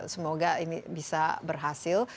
semoga ini bisa berhasil